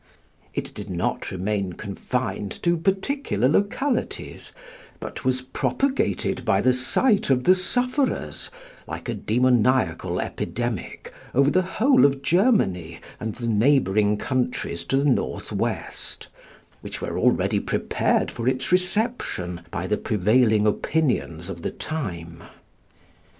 It did not remain confined to particular localities, but was propagated by the sight of the sufferers, like a demoniacal epidemic, over the whole of Germany and the neighbouring countries to the north west, which were already prepared for its reception by the prevailing opinions of the time.